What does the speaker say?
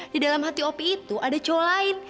di dalam hati opi itu ada cowok lain